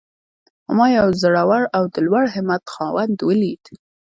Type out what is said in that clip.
خو ما يو زړور او د لوړ همت خاوند وليد.